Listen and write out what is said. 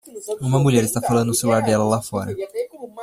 Uma mulher está falando no celular dela lá fora